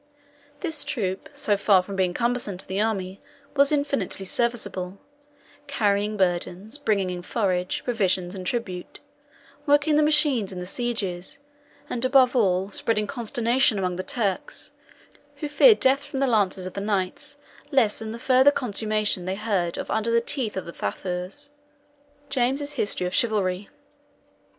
"This troop, so far from being cumbersome to the army, was infinitely serviceable, carrying burdens, bringing in forage, provisions, and tribute; working the machines in the sieges; and, above all, spreading consternation among the Turks, who feared death from the lances of the knights less than that further consummation they heard of under the teeth of the Thafurs." [James's "History of Chivalry."